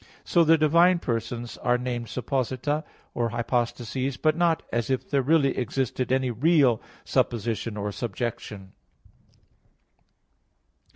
So the divine persons are named supposita or "hypostases," but not as if there really existed any real "supposition" or "subjection."